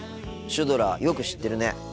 シュドラよく知ってるね。